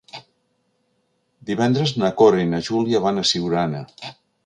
Divendres na Cora i na Júlia van a Siurana.